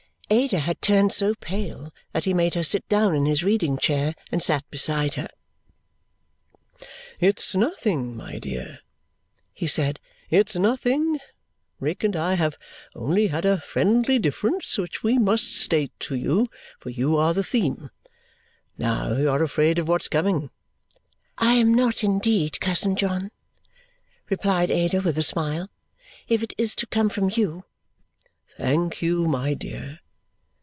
Ada had turned so pale that he made her sit down in his reading chair and sat beside her. "It's nothing, my dear," he said, "it's nothing. Rick and I have only had a friendly difference, which we must state to you, for you are the theme. Now you are afraid of what's coming." "I am not indeed, cousin John," replied Ada with a smile, "if it is to come from you." "Thank you, my dear.